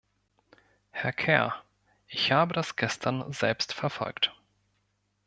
Herr Kerr, ich habe das gestern selbst verfolgt.